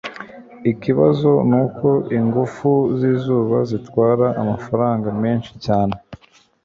Ikibazo nuko ingufu zizuba zitwara amafaranga menshi cyane